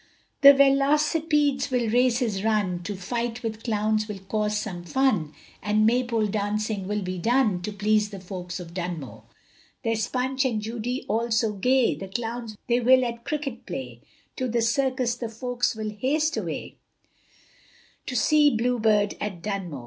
The velocipedes will races run, The fight with clowns will cause some fun, And maypole dancing will be done, To please the folks of Dunmow; There's punch and judy, all so gay, The clowns they will at cricket play, To the circus the folks will haste away, To see Bluebeard at Dunmow!